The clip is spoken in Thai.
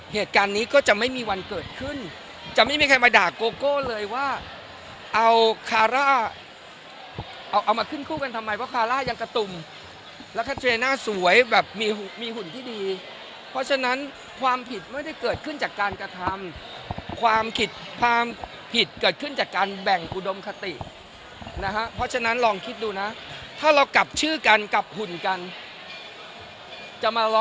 เหตุการณ์นี้ก็จะไม่มีวันเกิดขึ้นจะไม่มีใครมาด่าโกโก้เลยว่าเอาคาร่าเอาเอามาขึ้นคู่กันทำไมเพราะคาร่ายังกระตุ่มแล้วคาเทรน่าสวยแบบมีหุ่นที่ดีเพราะฉะนั้นความผิดไม่ได้เกิดขึ้นจากการกระทำความผิดความผิดเกิดขึ้นจากการแบ่งอุดมคตินะฮะเพราะฉะนั้นลองคิดดูนะถ้าเรากลับชื่อกันกับหุ่นกันจะมารอ